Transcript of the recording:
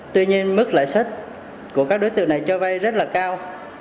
tuy nhiên mức lợi sách của các đối tượng này cho vay rất là cao